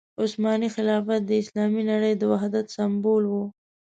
عثماني خلافت د اسلامي نړۍ د وحدت سمبول وو.